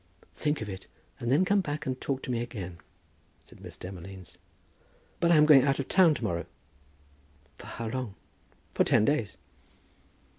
"Think of it, and then come back and talk to me again," said Miss Demolines. "But I am going out of town to morrow." "For how long?" "For ten days."